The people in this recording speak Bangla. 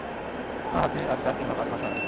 আপনার হাতে আর চার কিংবা পাঁচ মাস সময় আছে।